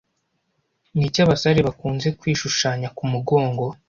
Ni iki abasare bakunze kwishushanya ku mugongo